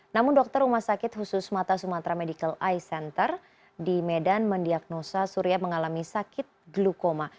namun dokter rumah sakit khusus mata sumatera medical ey center di medan mendiagnosa surya mengalami sakit glukoma